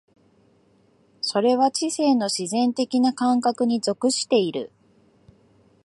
それは知性の自然的な感覚に属している。